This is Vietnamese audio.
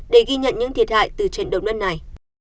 để ghi nhận những thiệt hại từ trận động đất này